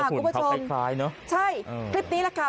คุณผู้ชมคลิปนี้แค่เนอะใช่คลิปนี้แหละค่ะ